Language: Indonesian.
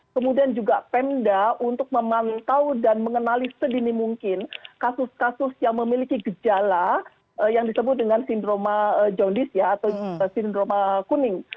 kemudian juga pemda untuk memantau dan mengenali sedini mungkin kasus kasus yang memiliki gejala yang disebut dengan sindroma johndies atau sindroma kuning